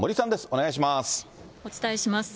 お願いします。